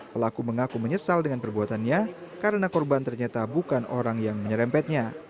pelaku mengaku menyesal dengan perbuatannya karena korban ternyata bukan orang yang menyerempetnya